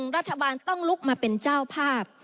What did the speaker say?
รัฐบาลต้องลุกมาเป็นเจ้าภาพ